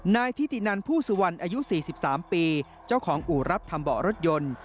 นายทิตินันผู้สุวรรณอายุ๔๓ปีเจ้าของอู่รับทำเบาะรถยนต์